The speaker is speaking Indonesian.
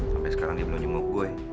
sampai sekarang dia belum nyemuk gue